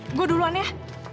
eh gue duluan ya